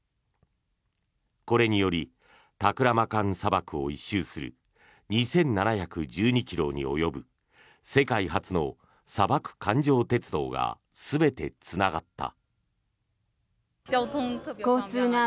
これによりタクラマカン砂漠を１周する２７１２ｋｍに及ぶ世界初の砂漠環状鉄道が全てつながった。